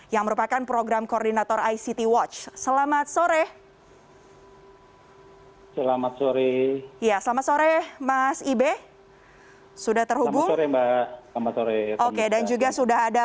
yang merupakan program koordinator ict watch